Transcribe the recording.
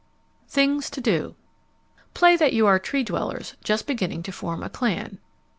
THINGS TO DO _Play that you are Tree dwellers just beginning to form a clan.